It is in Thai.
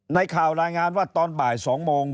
ในข่าวรายงานว่าตอนบ่าย๒โมง